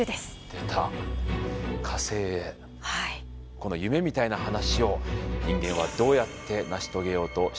この夢みたいな話を人間はどうやって成し遂げようとしているのでしょうか。